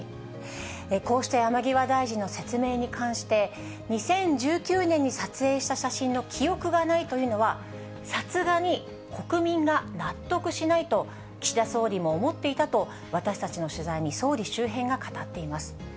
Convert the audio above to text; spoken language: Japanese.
こうした山際大臣の説明に関して、２０１９年に撮影した写真の記憶がないというのは、さすがに国民が納得しないと、岸田総理も思っていたと、私たちの取材に総理周辺が語っています。